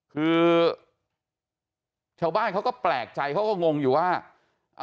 คือชาวบ้านเขาก็แปลกใจเขาก็งงอยู่ว่า